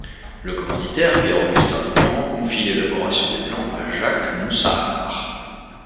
Le commanditaire Pierre-Augustin de Boran confie l'élaboration des plans à Jacques Moussard.